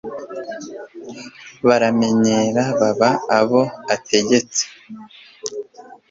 Baramenyera baba aho ategetse